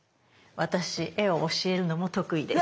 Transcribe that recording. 私絵を教えるのも得意です。